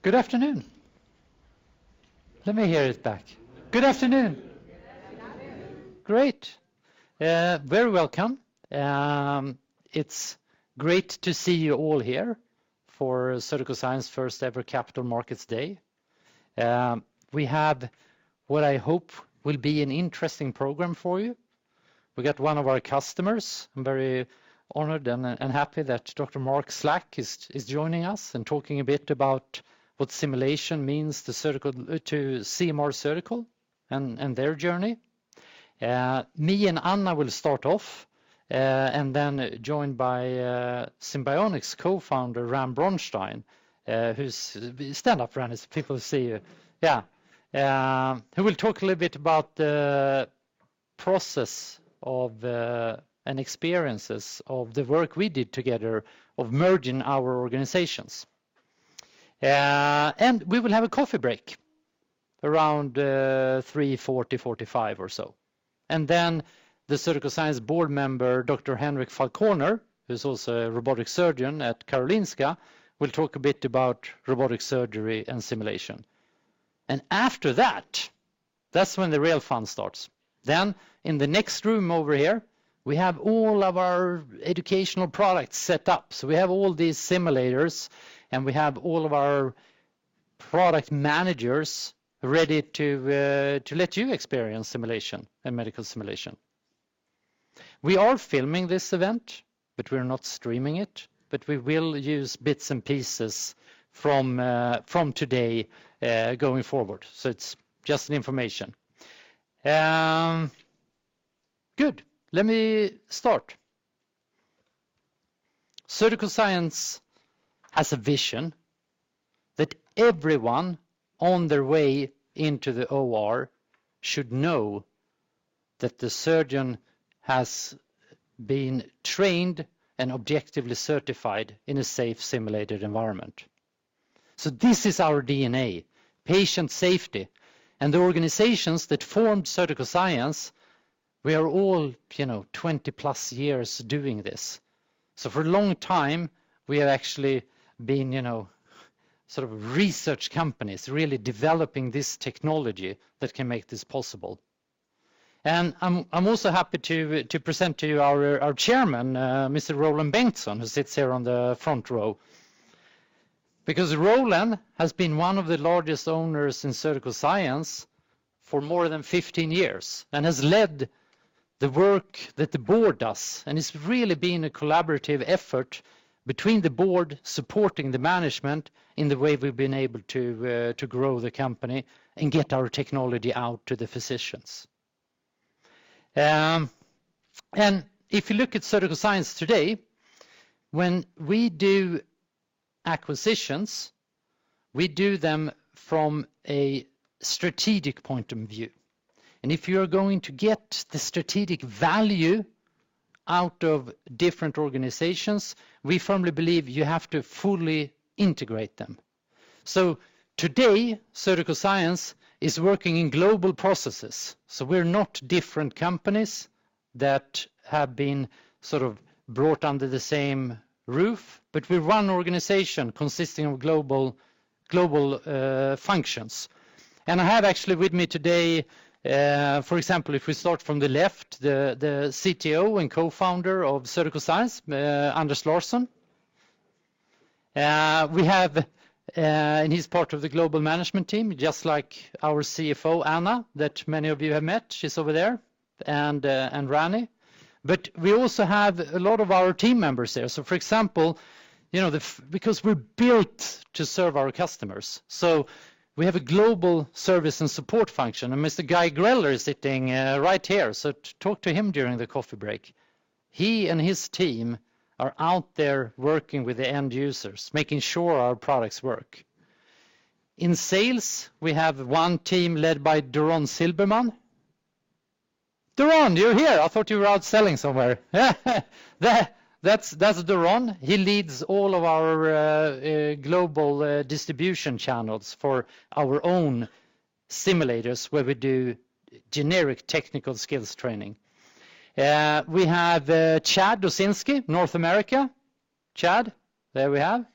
Good afternoon. Let me hear it back. Good afternoon. Great. Very welcome. It's great to see you all here for Surgical Science first ever Capital Markets Day. We have what I hope will be an interesting program for you. We got one of our customers. I'm very honored and happy that Dr. Mark Slack is joining us and talking a bit about what simulation means to CMR Surgical and their journey. Me and Anna will start off, and then joined by Simbionix co-founder Ran Bronstein, Stand up, Ran, so people see you. Yeah. Who will talk a little bit about the process of and experiences of the work we did together of merging our organizations. And we will have a coffee break around 3:40, 45 or so. Then the Surgical Science board member, Dr. Henrik Falconer, who's also a robotic surgeon at Karolinska, will talk a bit about robotic surgery and simulation. After that's when the real fun starts. In the next room over here, we have all of our educational products set up. We have all these simulators, and we have all of our product managers ready to let you experience simulation and medical simulation. We are filming this event, but we're not streaming it, but we will use bits and pieces from today going forward. It's just an information. Good. Let me start. Surgical Science has a vision that everyone on their way into the OR should know that the surgeon has been trained and objectively certified in a safe, simulated environment. This is our DNA, patient safety. The organizations that formed Surgical Science, we are all, you know, 20-plus years doing this. For a long time, we have actually been, you know, sort of research companies really developing this technology that can make this possible. I'm also happy to present to you our Chairman, Mr. Roland Bengtson, who sits here on the front row. Roland has been one of the largest owners in Surgical Science for more than 15 years and has led the work that the board does. It's really been a collaborative effort between the board supporting the management in the way we've been able to grow the company and get our technology out to the physicians. If you look at Surgical Science today, when we do acquisitions, we do them from a strategic point of view. If you're going to get the strategic value out of different organizations, we firmly believe you have to fully integrate them. Today, Surgical Science is working in global processes. We're not different companies that have been sort of brought under the same roof, but we're one organization consisting of global functions. I have actually with me today, for example, if we start from the left, the CTO and co-founder of Surgical Science, Anders Larsson. We have, he's part of the global management team, just like our CFO, Anna, that many of you have met. She's over there, Rani. We also have a lot of our team members here. For example, you know, because we're built to serve our customers, so we have a global service and support function. Mr. Guy Greller is sitting right here, so talk to him during the coffee break. He and his team are out there working with the end users, making sure our products work. In sales, we have one team led by Doron Zilberman. Doron, you're here. I thought you were out selling somewhere. That's Doron. He leads all of our global distribution channels for our own simulators, where we do generic technical skills training. We have Chad Osinski, North America. Chad, there we have.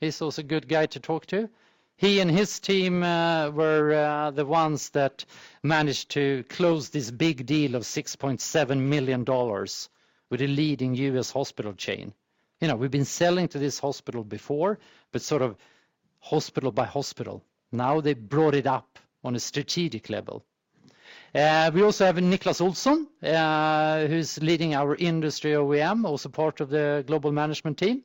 He's also a good guy to talk to. He and his team were the ones that managed to close this big deal of $6.7 million with a leading U.S. hospital chain. You know, we've been selling to this hospital before, but sort of hospital by hospital. Now they brought it up on a strategic level. We also have Niklas Olsson, who's leading our industry OEM, also part of the global management team.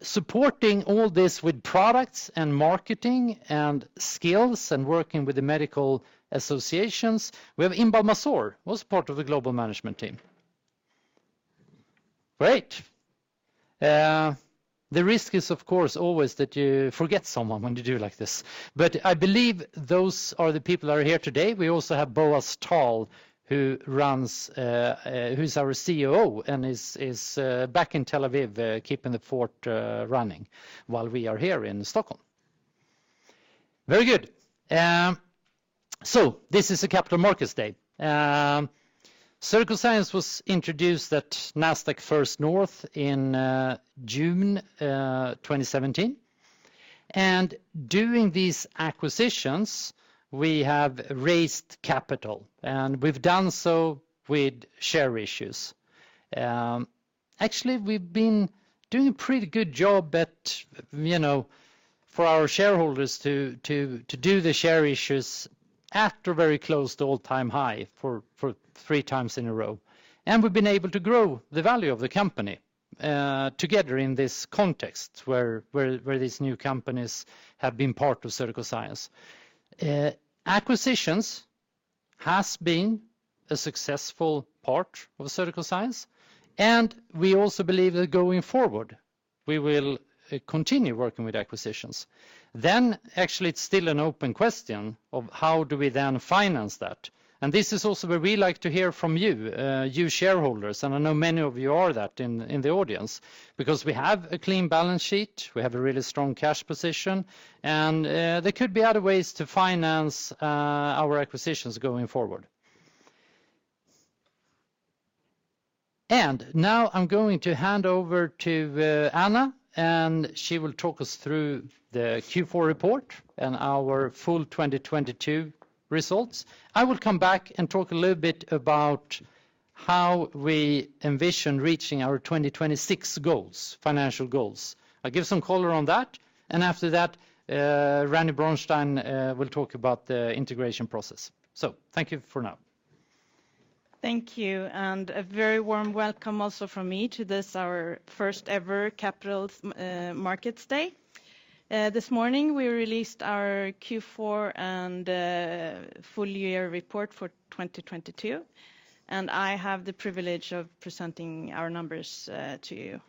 Supporting all this with products and marketing and skills and working with the medical associations, we have Inbal Mazar, also part of the global management team. Great. The risk is, of course, always that you forget someone when you do like this. I believe those are the people that are here today. We also have Boaz Tal, who runs, who's our CEO and is back in Tel Aviv, keeping the fort running while we are here in Stockholm. Very good. This is a Capital Markets Day. Surgical Science was introduced at Nasdaq First North in June 2017. During these acquisitions, we have raised capital, and we've done so with share issues. Actually, we've been doing a pretty good job at, you know, for our shareholders to do the share issues at or very close to all-time high for three times in a row. We've been able to grow the value of the company together in this context where these new companies have been part of Surgical Science. Acquisitions has been a successful part of Surgical Science. We also believe that going forward, we will continue working with acquisitions. Actually it's still an open question of how do we then finance that. This is also where we like to hear from you shareholders, and I know many of you are that in the audience, because we have a clean balance sheet, we have a really strong cash position, and there could be other ways to finance our acquisitions going forward. Now I'm going to hand over to Anna, and she will talk us through the Q4 report and our full 2022 results. I will come back and talk a little bit about how we envision reaching our 2026 goals, financial goals. I'll give some color on that, and after that, Ran Bronstein will talk about the integration process. Thank you for now. Thank you. A very warm welcome also from me to this, our first ever Capital Markets Day. This morning we released our Q4 and full year report for 2022. I have the privilege of presenting our numbers to you.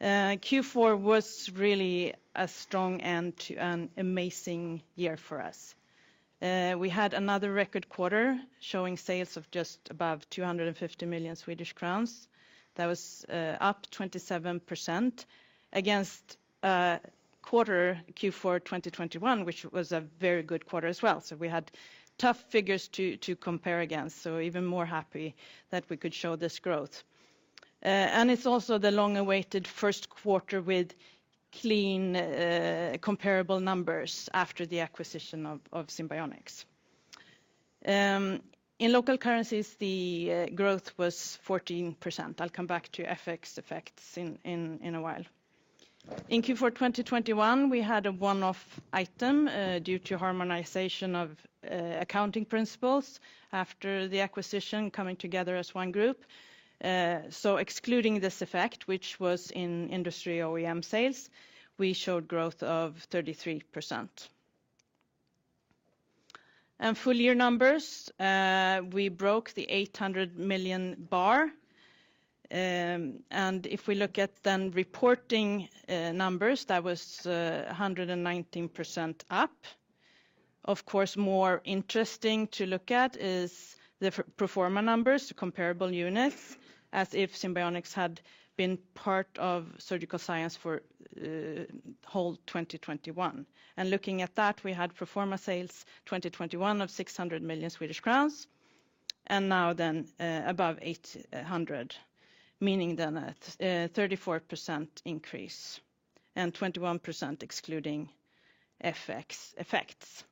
Q4 was really a strong end to an amazing year for us. We had another record quarter showing sales of just above 250 million Swedish crowns. That was up 27% against quarter Q4 2021, which was a very good quarter as well. We had tough figures to compare against, so even more happy that we could show this growth. It's also the long-awaited first quarter with clean comparable numbers after the acquisition of Simbionix. In local currencies, the growth was 14%. I'll come back to FX effects in a while. In Q4 2021, we had a one-off item due to harmonization of accounting principles after the acquisition coming together as one group. Excluding this effect, which was in Industry OEM sales, we showed growth of 33%. Full year numbers, we broke the 800 million bar. If we look at reporting numbers, that was 119% up. Of course, more interesting to look at is the pro forma numbers, comparable units as if Simbionix had been part of Surgical Science for whole 2021. Looking at that, we had pro forma sales 2021 of 600 million Swedish crowns and now then above 800 million, meaning then a 34% increase and 21% excluding FX effects.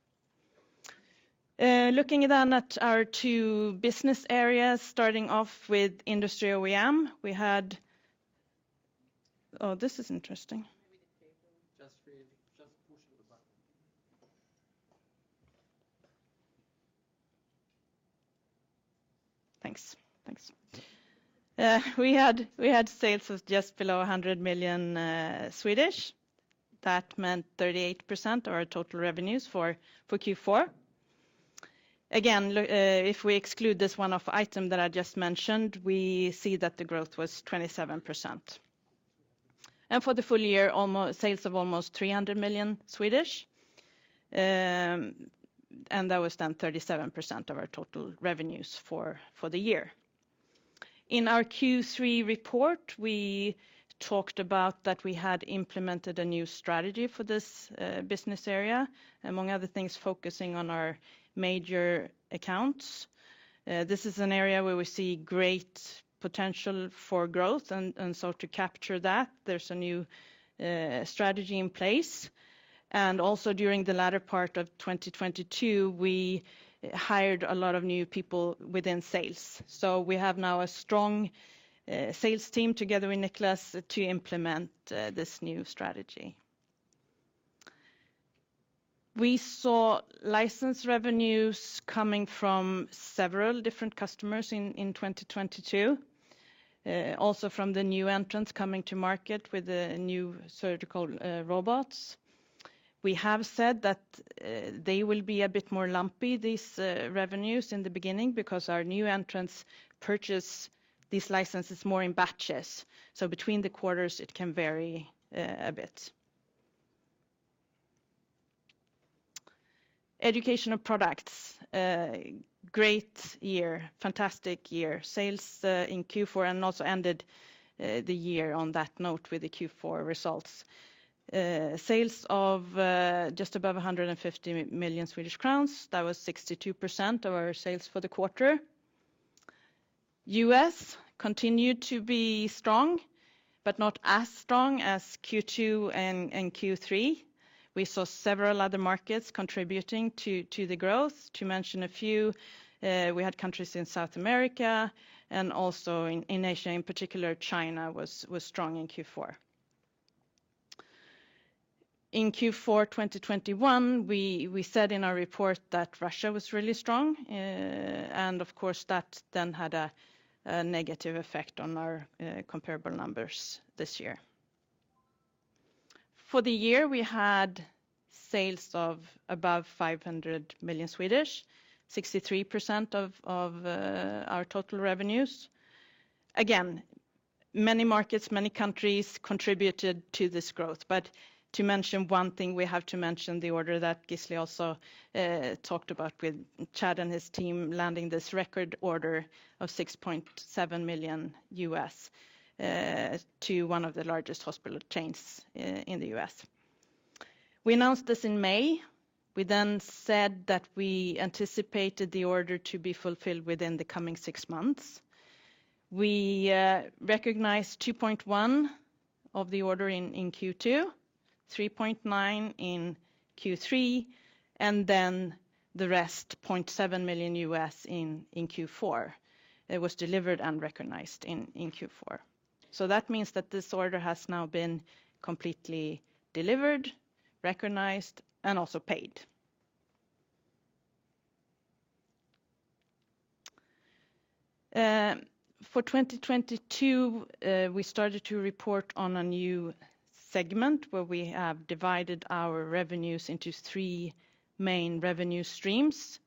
Looking at our two business areas, starting off with Industry OEM. Oh, this is interesting. Just read. Just push the button. Thanks. Thanks. We had sales of just below 100 million. That meant 38% of our total revenues for Q4. Again, if we exclude this one-off item that I just mentioned, we see that the growth was 27%. For the full year, sales of almost 300 million, and that was then 37% of our total revenues for the year. In our Q3 report, we talked about that we had implemented a new strategy for this business area, among other things, focusing on our major accounts. This is an area where we see great potential for growth and so to capture that, there's a new strategy in place. Also during the latter part of 2022, we hired a lot of new people within sales. We have now a strong sales team together with Nicklas to implement this new strategy. We saw license revenues coming from several different customers in 2022, also from the new entrants coming to market with the new surgical robots. We have said that they will be a bit more lumpy, these revenues in the beginning because our new entrants purchase these licenses more in batches. Between the quarters, it can vary a bit. Educational products, a great year, fantastic year. Sales in Q4 and also ended the year on that note with the Q4 results. Sales of just above 150 million Swedish crowns. That was 62% of our sales for the quarter. U.S. continued to be strong, but not as strong as Q2 and Q3. We saw several other markets contributing to the growth. To mention a few, we had countries in South America and also in Asia, in particular China was strong in Q4. In Q4 2021, we said in our report that Russia was really strong, and of course that then had a negative effect on our comparable numbers this year. For the year, we had sales of above 500 million SEK, 63% of our total revenues. Again, many markets, many countries contributed to this growth. To mention one thing, we have to mention the order that Gisli also talked about with Chad and his team landing this record order of $6.7 million U.S. to one of the largest hospital chains in the US. We announced this in May. We said that we anticipated the order to be fulfilled within the coming six months. We recognized $2.1 of the order in Q2, $3.9 in Q3, the rest, $0.7 million in Q4. It was delivered and recognized in Q4. That means that this order has now been completely delivered, recognized, and also paid. For 2022, we started to report on a new segment where we have divided our revenues into three main revenue streams.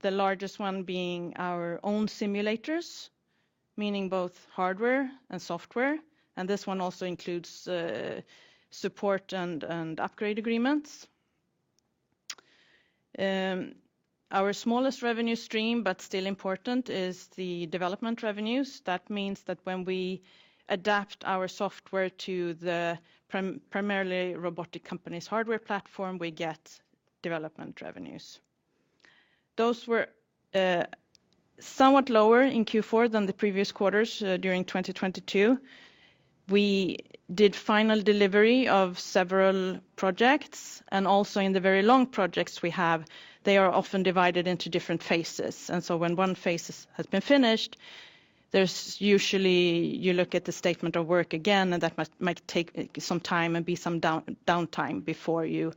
The largest one being our own simulators, meaning both hardware and software, and this one also includes support and upgrade agreements. Our smallest revenue stream, but still important, is the development revenues. That means that when we adapt our software to the primarily robotic company's hardware platform, we get development revenues. Those were somewhat lower in Q4 than the previous quarters during 2022. We did final delivery of several projects, also in the very long projects we have, they are often divided into different phases. When one phase has been finished, there's usually you look at the statement of work again, and that might take some time and be some downtime before you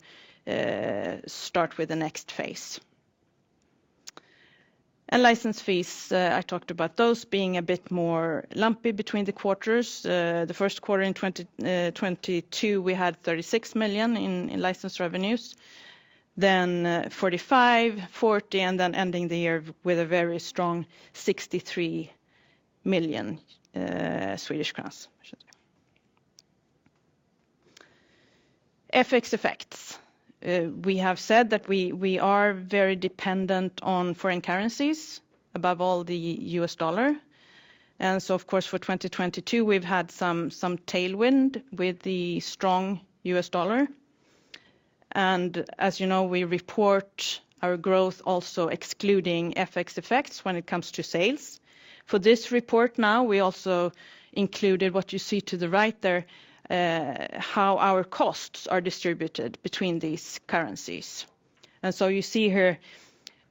start with the next phase. License fees, I talked about those being a bit more lumpy between the quarters. The first quarter in 2022, we had 36 million in license revenues, then 45 million, 40 million, and then ending the year with a very strong 63 million Swedish crowns. FX effects. We have said that we are very dependent on foreign currencies, above all the US dollar. Of course, for 2022, we've had some tailwind with the strong US dollar. As you know, we report our growth also excluding FX effects when it comes to sales. For this report now, we also included what you see to the right there, how our costs are distributed between these currencies. You see here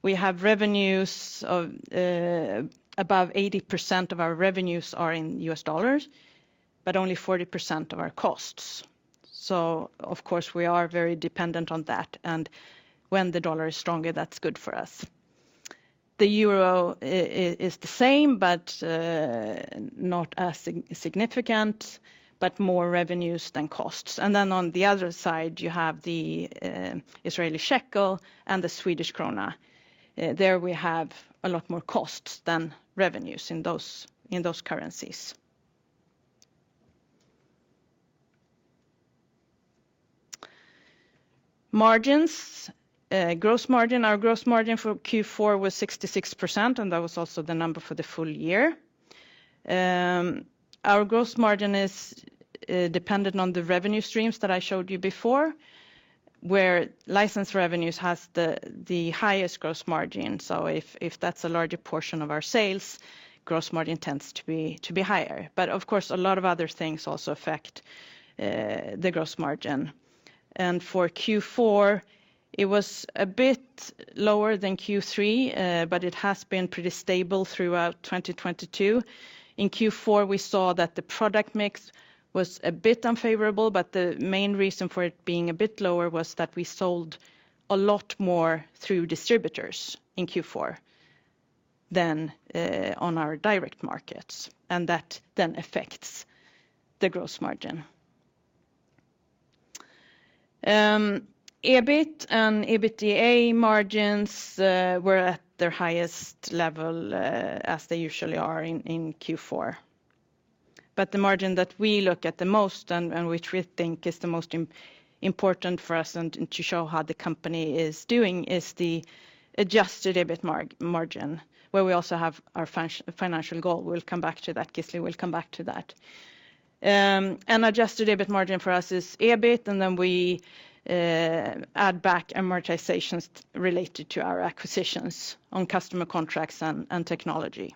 we have revenues of above 80% of our revenues are in US dollars, but only 40% of our costs. Of course, we are very dependent on that. When the dollar is stronger, that's good for us. The euro is the same, but not as significant, but more revenues than costs. On the other side, you have the Israeli shekel and the Swedish krona. There we have a lot more costs than revenues in those currencies. Margins. Gross margin. Our gross margin for Q4 was 66%, that was also the number for the full year. Our gross margin is dependent on the revenue streams that I showed you before, where license revenues has the highest gross margin. If that's a larger portion of our sales, gross margin tends to be higher. Of course, a lot of other things also affect the gross margin. For Q4, it was a bit lower than Q3, it has been pretty stable throughout 2022. In Q4, we saw that the product mix was a bit unfavorable, the main reason for it being a bit lower was that we sold a lot more through distributors in Q4 than on our direct markets, that then affects the gross margin. EBIT and EBITDA margins were at their highest level as they usually are in Q4. The margin that we look at the most and which we think is the most important for us and to show how the company is doing, is the Adjusted EBIT margin, where we also have our financial goal. We'll come back to that. Gisli will come back to that. Adjusted EBIT margin for us is EBIT, and then we add back amortizations related to our acquisitions on customer contracts and technology.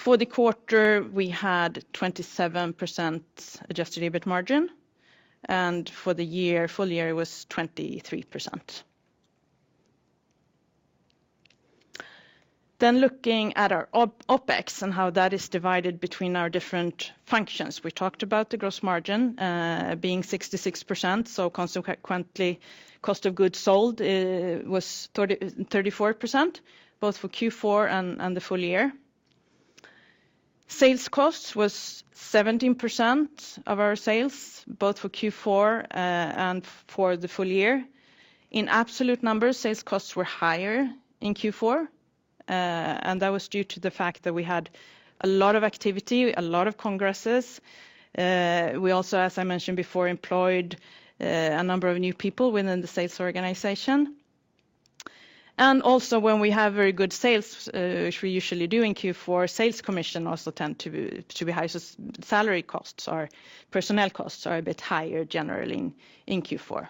For the quarter, we had 27% Adjusted EBIT margin, and for the year, full year, it was 23%. Looking at our OPEX and how that is divided between our different functions. We talked about the gross margin, being 66%. Consequently, cost of goods sold was 34%, both for Q4 and the full year. Sales cost was 17% of our sales, both for Q4 and for the full year. In absolute numbers, sales costs were higher in Q4, and that was due to the fact that we had a lot of activity, a lot of congresses. We also, as I mentioned before, employed a number of new people within the sales organization. Also, when we have very good sales, which we usually do in Q4, sales commission also tend to be high, so salary costs or personnel costs are a bit higher generally in Q4.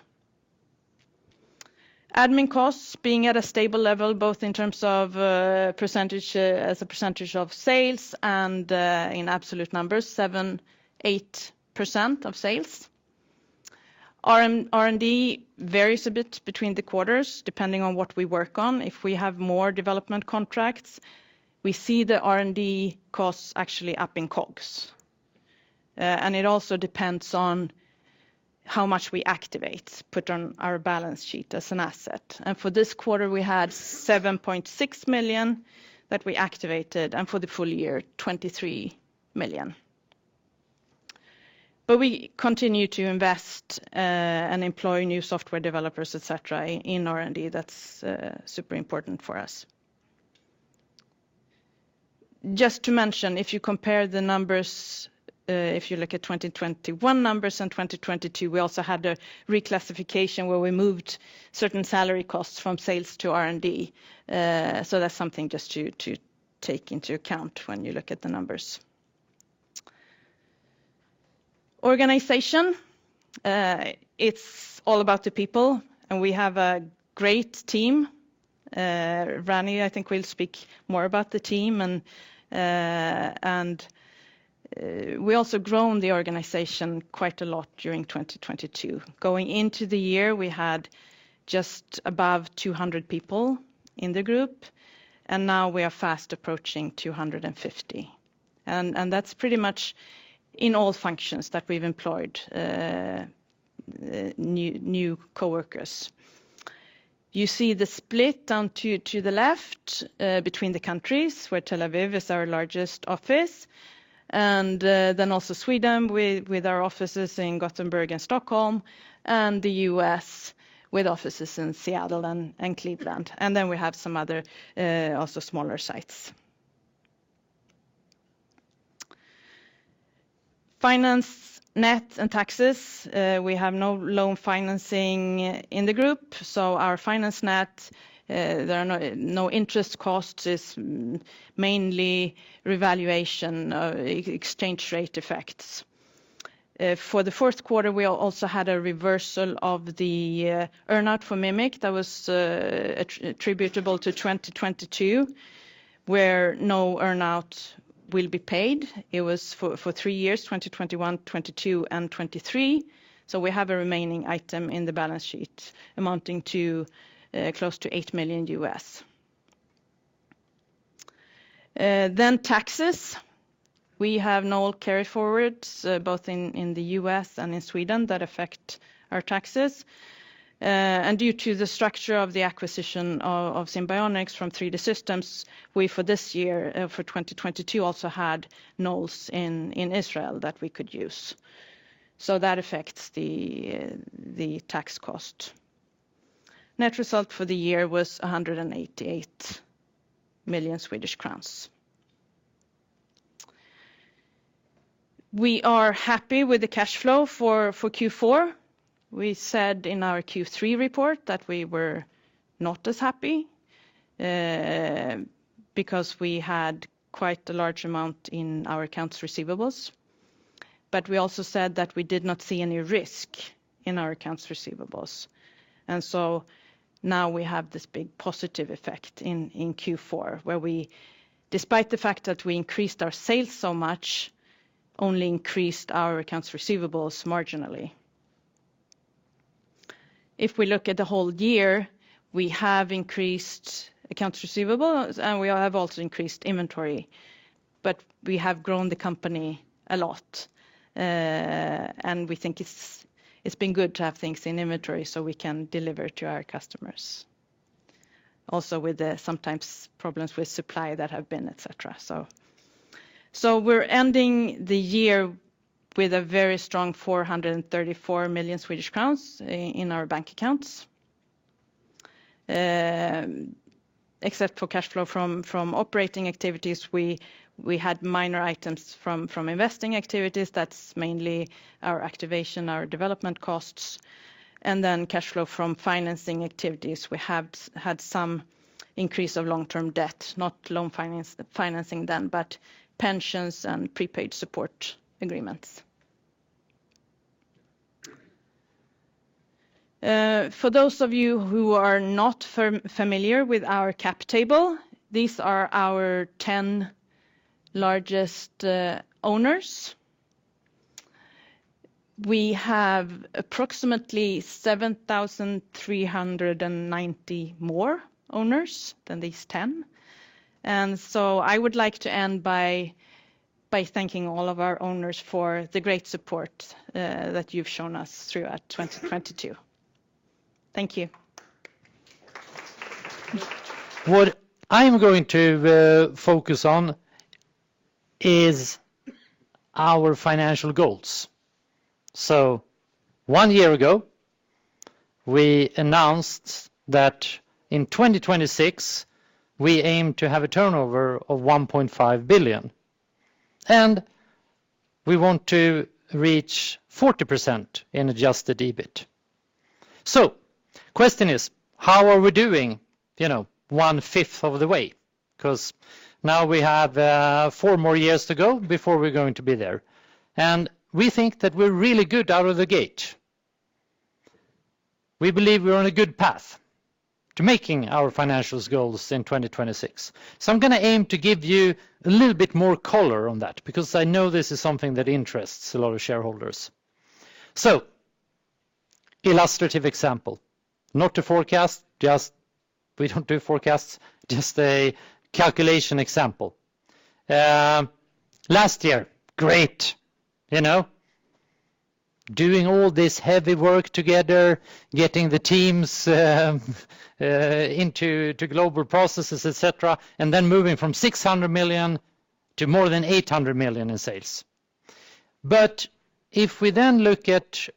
Admin costs being at a stable level, both in terms of percentage, as a percentage of sales and in absolute numbers, 7%-8% of sales. R&D varies a bit between the quarters, depending on what we work on. If we have more development contracts, we see the R&D costs actually up in COGS. It also depends on how much we activate, put on our balance sheet as an asset. For this quarter, we had 7.6 million that we activated, and for the full year, 23 million. We continue to invest and employ new software developers, et cetera, in R&D. That's super important for us. Just to mention, if you compare the numbers, if you look at 2021 numbers and 2022, we also had a reclassification where we moved certain salary costs from sales to R&D. That's something just to take into account when you look at the numbers. Organization, it's all about the people, and we have a great team. Rani, I think, will speak more about the team. We also grown the organization quite a lot during 2022. Going into the year, we had just above 200 people in the group, and now we are fast approaching 250. That's pretty much in all functions that we've employed new coworkers. You see the split down to the left between the countries, where Tel Aviv is our largest office, then also Sweden with our offices in Gothenburg and Stockholm, and the U.S. with offices in Seattle and Cleveland. We have some other also smaller sites. Finance net and taxes, we have no loan financing in the group, our finance net, there are no interest costs. It's mainly revaluation, exchange rate effects. For the fourth quarter, we also had a reversal of the earn-out for Mimic that was attributable to 2022, where no earn-out will be paid. It was for three years, 2021, 2022, and 2023. We have a remaining item in the balance sheet amounting to close to $8 million. Taxes, we have no carryforwards, both in the U.S. and in Sweden that affect our taxes. Due to the structure of the acquisition of Simbionix from 3D Systems, we for this year, for 2022, also had NOLs in Israel that we could use. That affects the tax cost. Net result for the year was 188 million Swedish crowns. We are happy with the cash flow for Q4. We said in our Q3 report that we were not as happy because we had quite a large amount in our accounts receivables. We also said that we did not see any risk in our accounts receivables. Now we have this big positive effect in Q4, where we, despite the fact that we increased our sales so much, only increased our accounts receivables marginally. If we look at the whole year, we have increased accounts receivables, and we have also increased inventory, but we have grown the company a lot. We think it's been good to have things in inventory so we can deliver to our customers. With the sometimes problems with supply that have been, et cetera. We're ending the year with a very strong 434 million Swedish crowns in our bank accounts. Except for cash flow from operating activities, we had minor items from investing activities. That's mainly our activation, our development costs, and then cash flow from financing activities. We have had some increase of long-term debt, not loan financing then, but pensions and prepaid support agreements. For those of you who are not familiar with our cap table, these are our 10 largest owners. We have approximately 7,390 more owners than these 10. I would like to end by thanking all of our owners for the great support that you've shown us throughout 2022. Thank you. What I'm going to focus on is our financial goals. One year ago, we announced that in 2026, we aim to have a turnover of 1.5 billion, and we want to reach 40% in Adjusted EBIT. Question is, how are we doing, you know, one-fifth of the way? 'Cause now we have four more years to go before we're going to be there. We think that we're really good out of the gate. We believe we're on a good path to making our financials goals in 2026. I'm gonna aim to give you a little bit more color on that because I know this is something that interests a lot of shareholders. Illustrative example, not a forecast, just we don't do forecasts, just a calculation example. Last year, great, you know, doing all this heavy work together, getting the teams into global processes, et cetera, and then moving from 600 million to more than 800 million in sales. If we then look at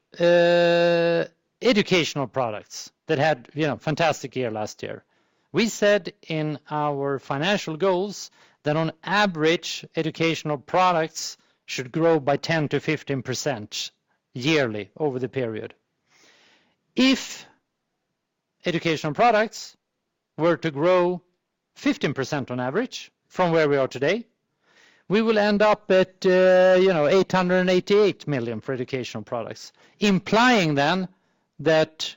educational products that had, you know, fantastic year last year, we said in our financial goals that on average, educational products should grow by 10%-15% yearly over the period. If educational products were to grow 15% on average from where we are today, we will end up at, you know, 888 million for educational products, implying then that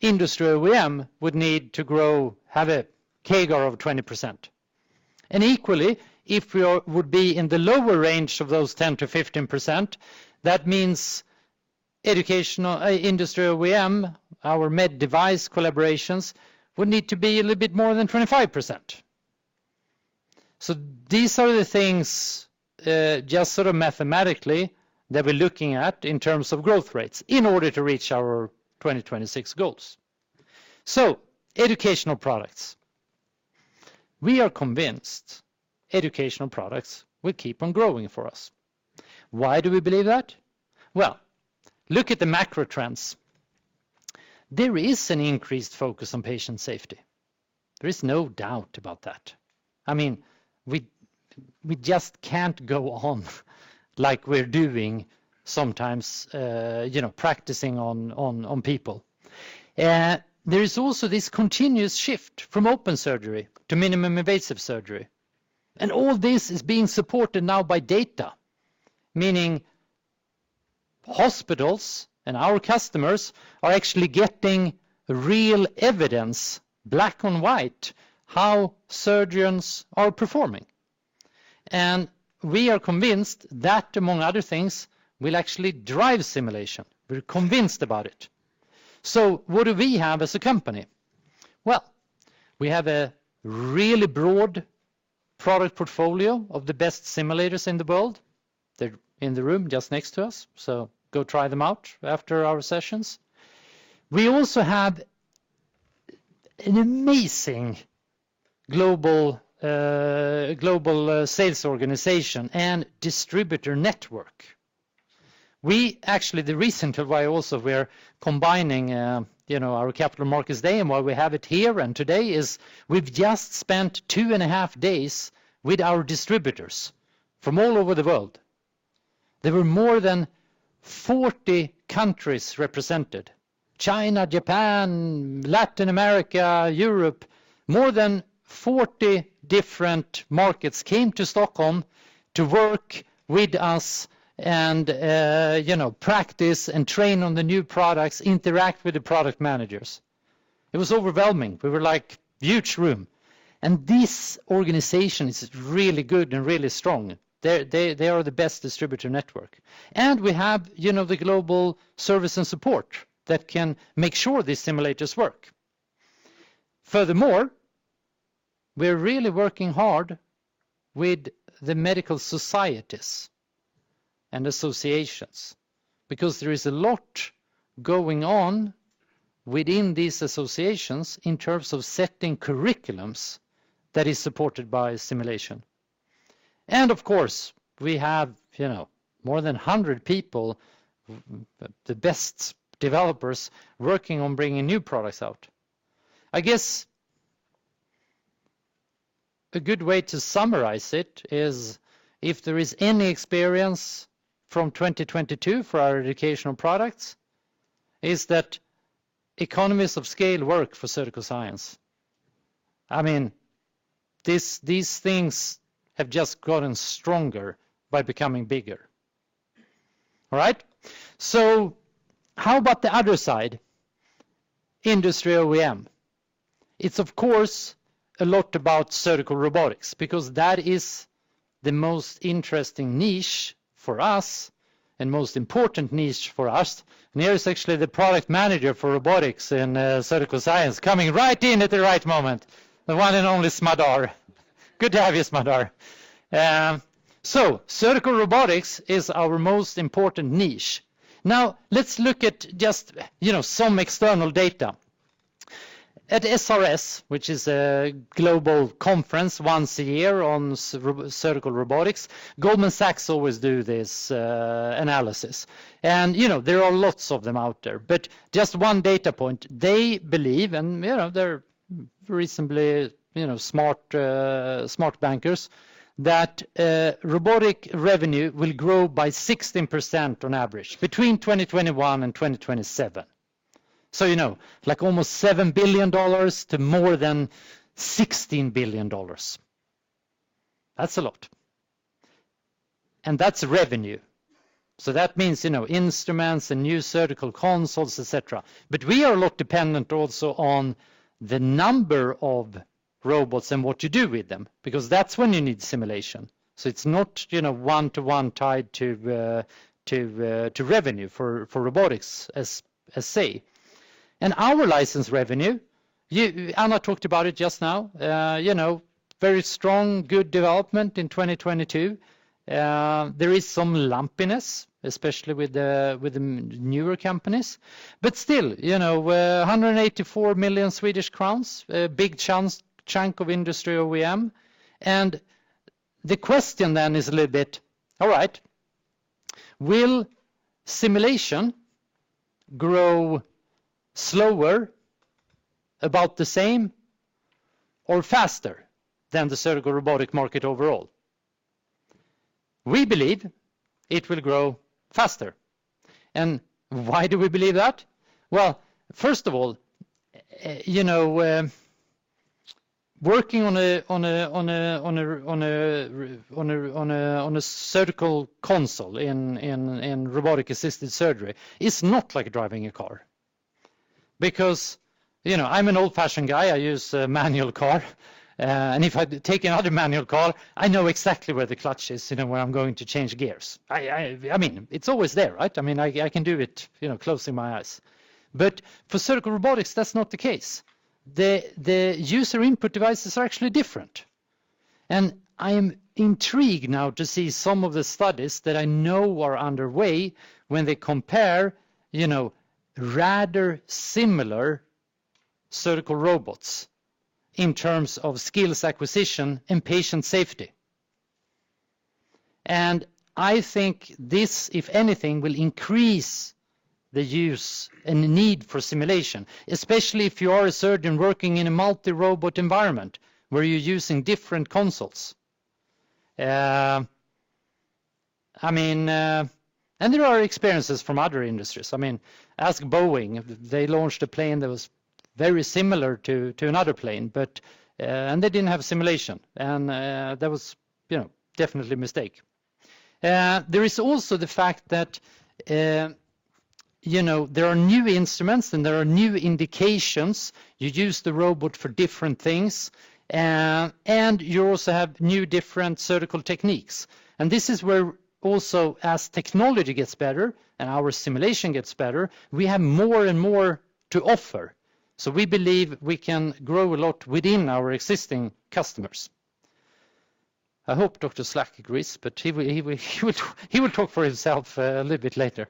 industry OEM would need to grow, have a CAGR of 20%. Equally, if we would be in the lower range of those 10%-15%, that means educational, Industry OEM, our med device collaborations would need to be a little bit more than 25%. These are the things, just sort of mathematically that we're looking at in terms of growth rates in order to reach our 2026 goals. Educational products. We are convinced educational products will keep on growing for us. Why do we believe that? Well, look at the macro trends. There is an increased focus on patient safety. There is no doubt about that. I mean, we just can't go on like we're doing sometimes, you know, practicing on people. There is also this continuous shift from open surgery to minimum invasive surgery, and all this is being supported now by data, meaning hospitals and our customers are actually getting real evidence, black on white, how surgeons are performing. We are convinced that, among other things, will actually drive simulation. We're convinced about it. What do we have as a company? Well, we have a really broad product portfolio of the best simulators in the world. They're in the room just next to us, so go try them out after our sessions. We also have an amazing global sales organization and distributor network. Actually, the reason of why also we're combining, you know, our Capital Markets Day and why we have it here and today is we've just spent 2.5 days with our distributors from all over the world. There were more than 40 countries represented China, Japan, Latin America, Europe. More than 40 different markets came to Stockholm to work with us and, you know, practice and train on the new products, interact with the product managers. It was overwhelming. We were like, huge room. This organization is really good and really strong. They are the best distributor network. We have, you know, the global service and support that can make sure these simulators work. Furthermore, we're really working hard with the medical societies and associations because there is a lot going on within these associations in terms of setting curriculums that is supported by simulation. Of course, we have, you know, more than 100 people, the best developers working on bringing new products out. I guess a good way to summarize it is if there is any experience from 2022 for our educational products is that economies of scale work for Surgical Science. I mean, these things have just gotten stronger by becoming bigger. All right? How about the other side, Industry OEM? It's of course a lot about surgical robotics because that is the most interesting niche for us and most important niche for us. Here is actually the product manager for robotics in Surgical Science coming right in at the right moment, the one and only Smadar. Good to have you, Smadar. Surgical robotics is our most important niche. Now let's look at just, you know, some external data. At SRS, which is a global conference once a year on surgical robotics, Goldman Sachs always do this analysis. You know, there are lots of them out there, but just one data point. They believe, and, you know, they're reasonably, you know, smart bankers, that robotic revenue will grow by 16% on average between 2021 and 2027. You know, like almost $7 billion to more than $16 billion. That's a lot. That's revenue. That means, you know, instruments and new surgical consoles, et cetera. We are a lot dependent also on the number of robots and what you do with them because that's when you need simulation. It's not, you know, one-to-one tied to revenue for robotics as say. Our license revenue, Anna talked about it just now, you know, very strong, good development in 2022. There is some lumpiness, especially with the newer companies. Still, you know, 184 million Swedish crowns, a big chunk of Industry OEM. The question then is a little bit, all right, will simulation grow slower, about the same, or faster than the surgical robotic market overall? We believe it will grow faster. Why do we believe that? Well, first of all, you know, working on a surgical console in robotic-assisted surgery is not like driving a car. Because, you know, I'm an old-fashioned guy, I use a manual car, and if I take another manual car, I know exactly where the clutch is, you know, where I'm going to change gears. I mean, it's always there, right? I mean, I can do it, you know, closing my eyes. For surgical robotics, that's not the case. The user input devices are actually different. I am intrigued now to see some of the studies that I know are underway when they compare, you know, rather similar surgical robots in terms of skills acquisition and patient safety. I think this, if anything, will increase the use and the need for simulation, especially if you are a surgeon working in a multi-robot environment where you're using different consoles. I mean, there are experiences from other industries. I mean, ask Boeing. They launched a plane that was very similar to another plane, but, and they didn't have a simulation. That was, you know, definitely a mistake. There is also the fact that, you know, there are new instruments, and there are new indications. You use the robot for different things. You also have new different surgical techniques. This is where also as technology gets better and our simulation gets better, we have more and more to offer. We believe we can grow a lot within our existing customers. I hope Dr. Slack agrees, but he will talk for himself a little bit later.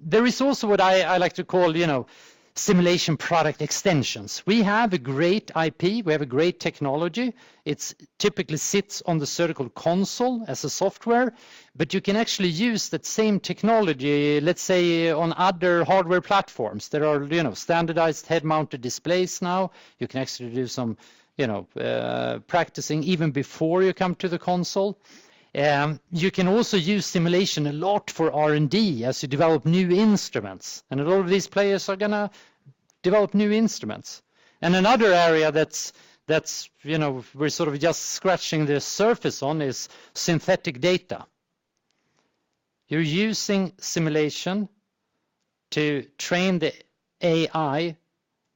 There is also what I like to call, you know, simulation product extensions. We have a great IP. We have a great technology. It typically sits on the surgical console as a software, but you can actually use that same technology, let's say, on other hardware platforms. There are, you know, standardized head-mounted displays now. You can actually do some, you know, practicing even before you come to the console. You can also use simulation a lot for R&D as you develop new instruments. A lot of these players are gonna develop new instruments. Another area that's, you know, we're sort of just scratching the surface on is synthetic data. You're using simulation to train the AI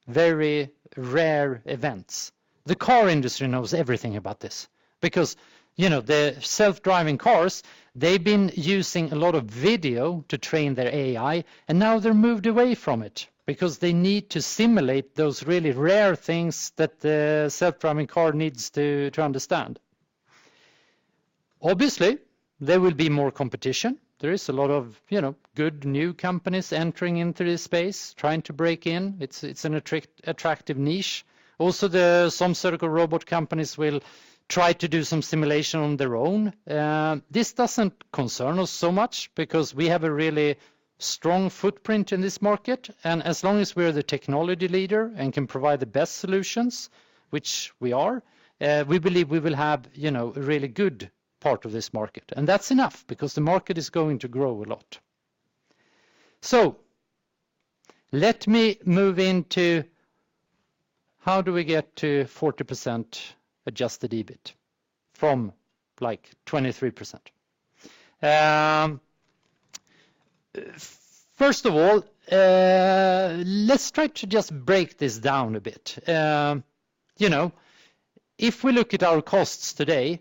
very rare events. The car industry knows everything about this because, you know, the self-driving cars, they've been using a lot of video to train their AI, and now they're moved away from it because they need to simulate those really rare things that the self-driving car needs to understand. Obviously, there will be more competition. There is a lot of, you know, good new companies entering into this space, trying to break in. It's an attractive niche. Some surgical robot companies will try to do some simulation on their own. This doesn't concern us so much because we have a really strong footprint in this market, and as long as we're the technology leader and can provide the best solutions, which we are, we believe we will have, you know, a really good part of this market. That's enough because the market is going to grow a lot. Let me move into how do we get to 40% Adjusted EBIT from like 23%. First of all, let's try to just break this down a bit. You know, if we look at our costs today,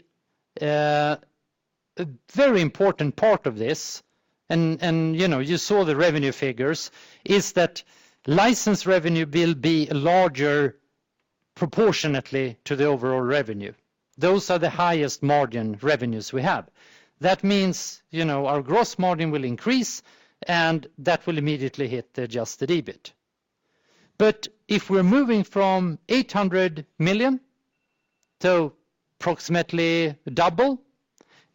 a very important part of this and, you know, you saw the revenue figures, is that license revenue will be larger proportionately to the overall revenue. Those are the highest margin revenues we have. That means, you know, our gross margin will increase. That will immediately hit the Adjusted EBIT. If we're moving from 800 million to approximately double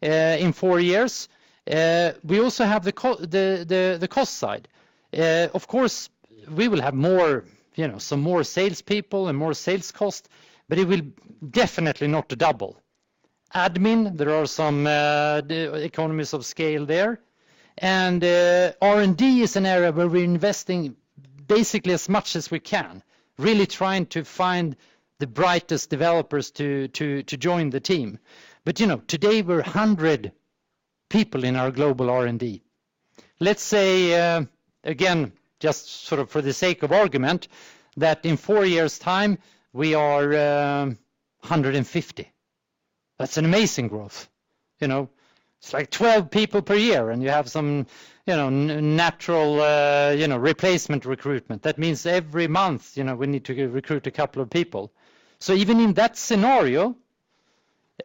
in four years, we also have the cost side. Of course, we will have more, you know, some more salespeople and more sales cost. It will definitely not double. Admin, there are some economies of scale there. R&D is an area where we're investing basically as much as we can, really trying to find the brightest developers to join the team. You know, today we're 100 people in our global R&D. Let's say, again, just sort of for the sake of argument, that in four years' time, we are 150. That's an amazing growth. You know, it's like 12 people per year. You have some, you know, natural, you know, replacement recruitment. That means every month, you know, we need to re-recruit a couple of people. Even in that scenario,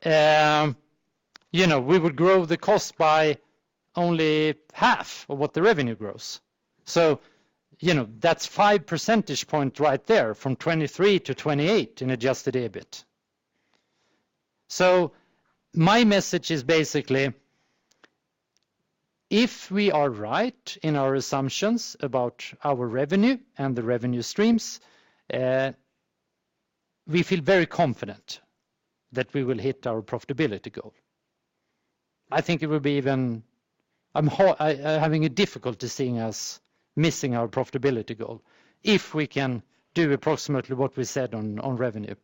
you know, we would grow the cost by only half of what the revenue grows. You know, that's five percentage points right there, from 23-28 in Adjusted EBIT. My message is basically, if we are right in our assumptions about our revenue and the revenue streams, we feel very confident that we will hit our profitability goal. I think it would be even I'm having a difficulty seeing us missing our profitability goal if we can do approximately what we said on revenue.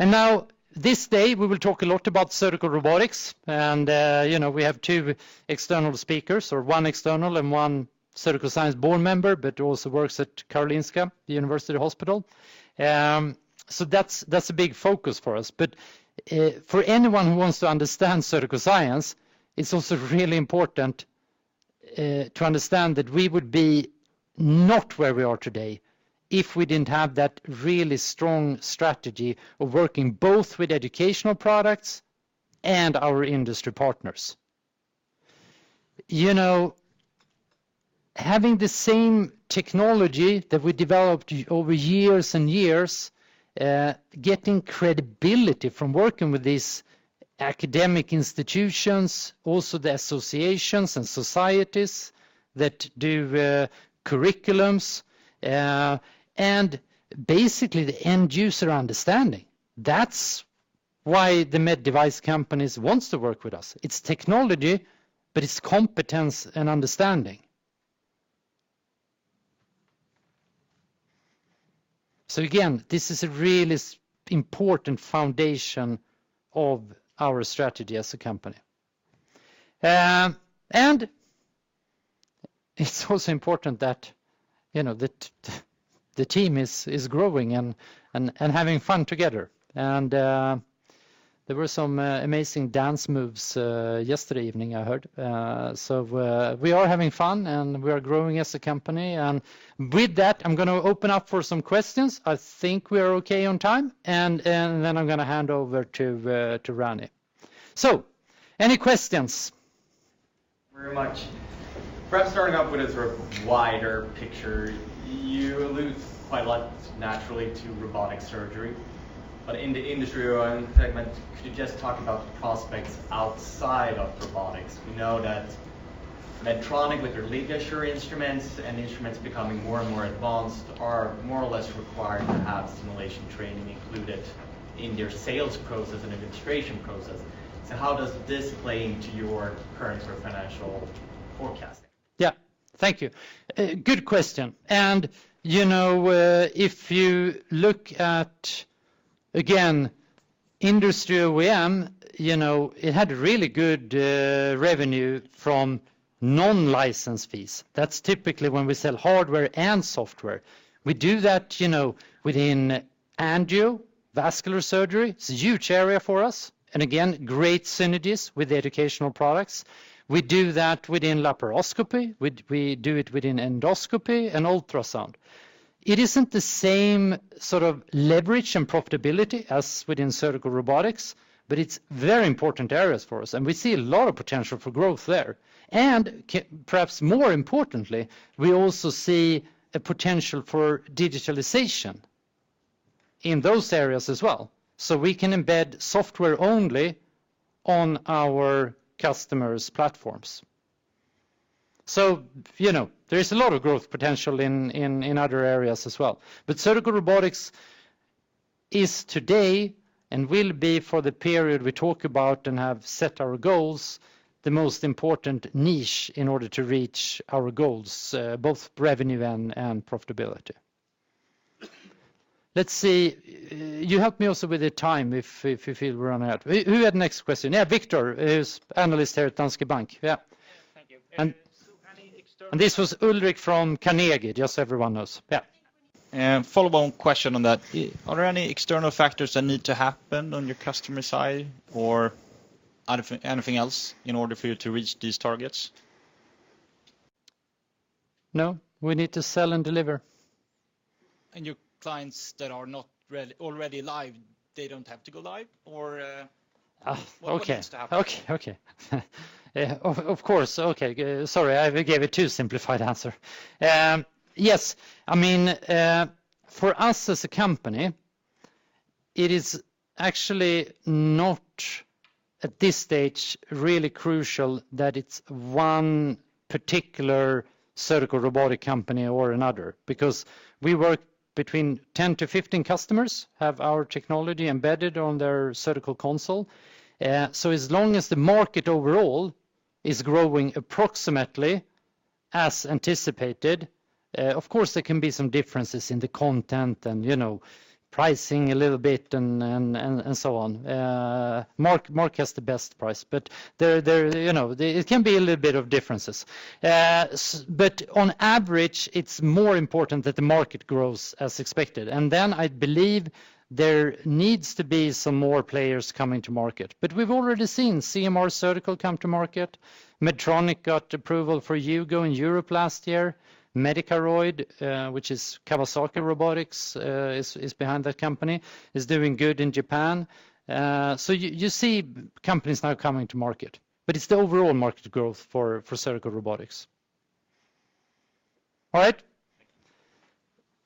Now, this day, we will talk a lot about surgical robotics, and, you know, we have two external speakers, or one external and one Surgical Science board member, but who also works at Karolinska, the university hospital. That's a big focus for us. For anyone who wants to understand Surgical Science, it's also really important to understand that we would be not where we are today if we didn't have that really strong strategy of working both with educational products and our industry partners. You know, having the same technology that we developed over years and years, getting credibility from working with these academic institutions, also the associations and societies that do curriculums, and basically the end user understanding. That's why the med device companies wants to work with us. It's technology, but it's competence and understanding. Again, this is a really important foundation of our strategy as a company. It's also important that, you know, the team is growing and having fun together. There were some amazing dance moves yesterday evening, I heard. We are having fun, and we are growing as a company. With that, I'm gonna open up for some questions. I think we are okay on time. Then I'm gonna hand over to Rani. Any questions? Very much. Perhaps starting off with a sort of wider picture, you allude quite a lot naturally to robotic surgery. In the industry segment, could you just talk about the prospects outside of robotics? We know that Medtronic, with their LigaSure instruments and instruments becoming more and more advanced, are more or less required to have simulation training included in their sales process and administration process. How does this play into your current sort of financial forecasting? Thank you. Good question. You know, if you look at again Industry OEM, you know, it had really good revenue from non-license fees. That's typically when we sell hardware and software. We do that, you know, within angio, vascular surgery. It's a huge area for us. Again, great synergies with the educational products. We do that within laparoscopy. We do it within endoscopy and ultrasound. It isn't the same sort of leverage and profitability as within surgical robotics, but it's very important areas for us, and we see a lot of potential for growth there. Perhaps more importantly, we also see a potential for digitalization in those areas as well. We can embed software only on our customers' platforms. You know, there is a lot of growth potential in other areas as well. Surgical robotics is today and will be for the period we talk about and have set our goals, the most important niche in order to reach our goals, both revenue and profitability. Let's see. You help me also with the time if you feel we're run out? Who had next question? Yeah, Victor, who's analyst here at Danske Bank. Yeah. Thank you. And- So any external- This was Ulrich from Carnegie, just so everyone knows. Yeah. Follow-on question on that. Are there any external factors that need to happen on your customer side or anything else in order for you to reach these targets? No. We need to sell and deliver. Your clients that are not already live, they don't have to go live or, what needs to happen? Okay. Okay. Yeah, of course. Okay, sorry, I gave a too simplified answer. Yes. I mean, for us as a company, it is actually not, at this stage, really crucial that it's one particular surgical robotic company or another, because we work between 10 to 15 customers, have our technology embedded on their surgical console. As long as the market overall is growing approximately as anticipated, of course, there can be some differences in the content and, you know, pricing a little bit and so on. Mark has the best price, but there, you know, it can be a little bit of differences. but on average, it's more important that the market grows as expected. I believe there needs to be some more players coming to market. We've already seen CMR Surgical come to market. Medtronic got approval for Hugo in Europe last year. Medicaroid, which is Kawasaki Robotics, is behind that company, is doing good in Japan. You see companies now coming to market, but it's the overall market growth for surgical robotics. All right.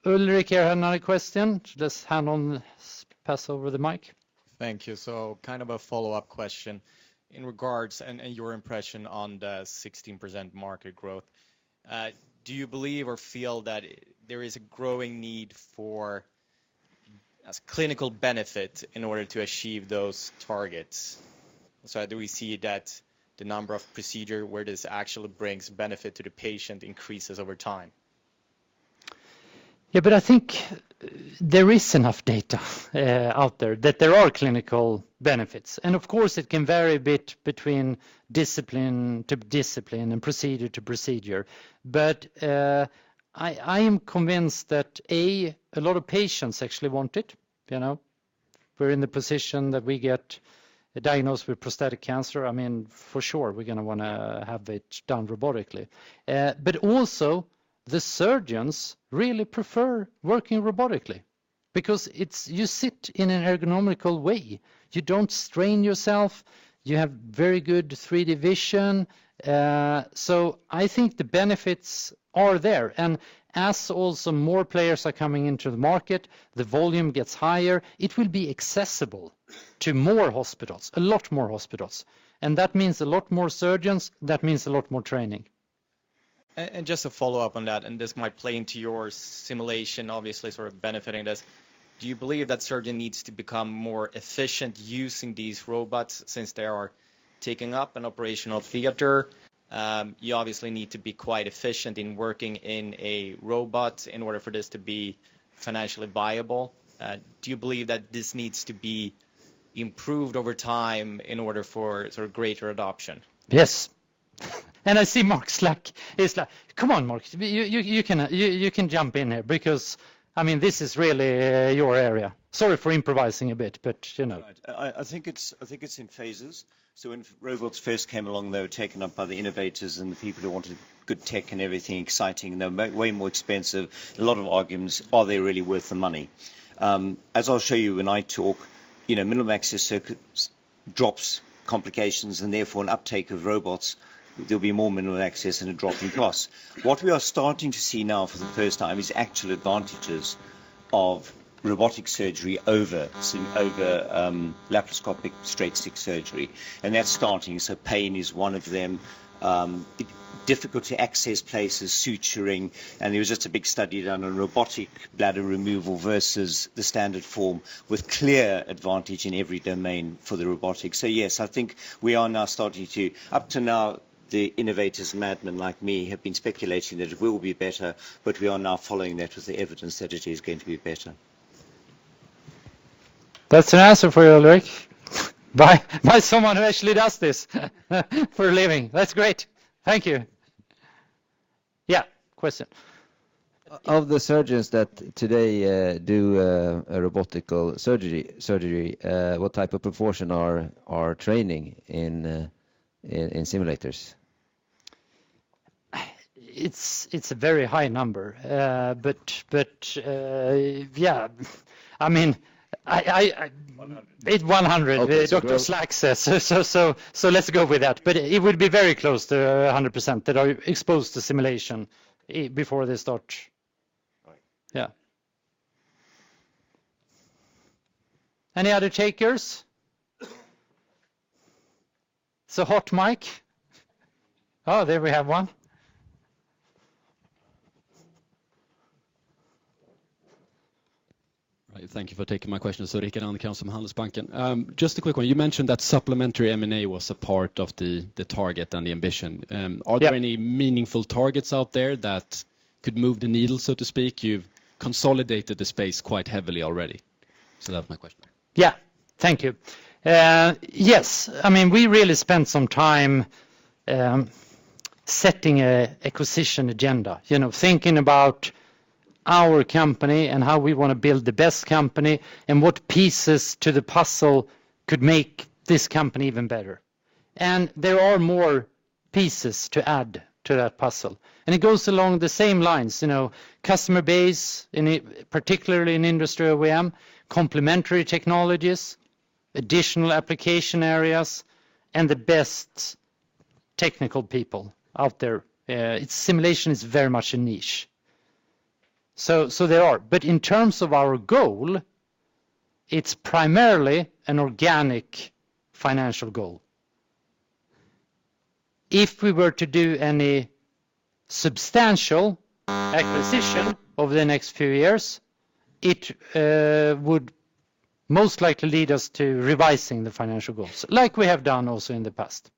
Ulrich, you had another question. Just hand on, pass over the mic. Thank you. Kind of a follow-up question in regards and your impression on the 16% market growth. Do you believe or feel that there is a growing need for a clinical benefit in order to achieve those targets? Do we see that the number of procedure where this actually brings benefit to the patient increases over time? Yeah, I think there is enough data out there that there are clinical benefits. Of course, it can vary a bit between discipline to discipline and procedure to procedure. I am convinced that, A, a lot of patients actually want it. You know, if we're in the position that we get diagnosed with prostatic cancer, I mean, for sure, we're gonna wanna have it done robotically. Also the surgeons really prefer working robotically because you sit in an ergonomic way. You don't strain yourself. You have very good 3D vision. I think the benefits are there. As also more players are coming into the market, the volume gets higher, it will be accessible to more hospitals, a lot more hospitals. That means a lot more surgeons, that means a lot more training. Just to follow up on that, this might play into your simulation, obviously sort of benefiting this, do you believe that surgeon needs to become more efficient using these robots since they are taking up an operational theater? You obviously need to be quite efficient in working in a robot in order for this to be financially viable. Do you believe that this needs to be improved over time in order for sort of greater adoption? Yes. I see Mark Slack. It's like, "Come on, Mark. You can jump in here because, I mean, this is really your area." Sorry for improvising a bit, but, you know. It's all right. I think it's in phases. When robots first came along, they were taken up by the innovators and the people who wanted good tech and everything exciting. They were way more expensive. A lot of arguments, are they really worth the money? As I'll show you when I talk, you know, minimum access circuits drops complications, and therefore an uptake of robots, there'll be more minimum access and a drop in cost. What we are starting to see now for the first time is actual advantages of robotic surgery over laparoscopic straight stick surgery, and that's starting. Pain is one of them, difficulty to access places, suturing. There was just a big study done on robotic bladder removal versus the standard form with clear advantage in every domain for the robotic. Yes, I think we are now up to now, the innovators madman like me have been speculating that it will be better, but we are now following that with the evidence that it is going to be better. That's an answer for you, Ulrich, by someone who actually does this for a living. That's great. Thank you. Yeah, question. Of the surgeons that today, do a robotic surgery, what type of proportion are training in simulators? It's a very high number, but yeah. I mean, 100.... hit 100. Okay. Dr. Slack says so, let's go with that. It would be very close to 100% that are exposed to simulation before they start. Right. Yeah. Any other takers? It's a hot mic. Oh, there we have one. Right. Thank you for taking my question, so Erik Hultgård from Handelsbanken. just a quick one. You mentioned that supplementary M&A was a part of the target and the ambition. Are there any meaningful targets out there that could move the needle, so to speak? You've consolidated the space quite heavily already. That was my question. Yeah. Thank you. Yes. I mean, we really spent some time, setting a acquisition agenda, you know, thinking about our company and how we wanna build the best company and what pieces to the puzzle could make this company even better, and there are more pieces to add to that puzzle, and it goes along the same lines. You know, customer base in, particularly in Industrial AM, complementary technologies, additional application areas, and the best technical people out there. Simulation is very much a niche. There are. In terms of our goal, it's primarily an organic financial goal. If we were to do any substantial acquisition over the next few years, it would most likely lead us to revising the financial goals like we have done also in the past.